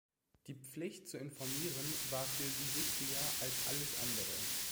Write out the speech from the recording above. Die Pflicht zu informieren war für sie wichtiger als alles andere.